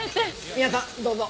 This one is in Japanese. ミアさんどうぞ。